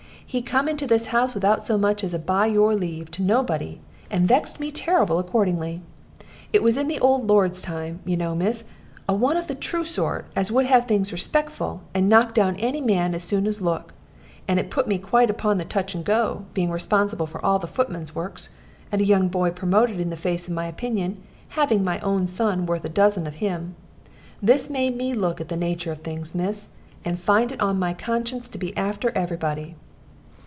He come into this house without so much as a 'by your leave' to nobody, and vexed me terrible accordingly. It was in the old lord's time, you know, miss, a one of the true sort, as would have things respectful, and knock down any man as soon as look. And it put me quite upon the touch and go, being responsible for all the footman's works, and a young boy promoted in the face of my opinion, having my own son worth a dozen of him. This made me look at the nature of things, miss, and find it on my conscience to be after every body."